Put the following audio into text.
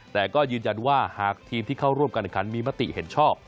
แต่ก็ยืนยันว่าหากทีมที่เข้าร่วมการแข่งขันมีมติเห็นชอบ